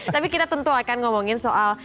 tapi kita tentu akan ngomongin soal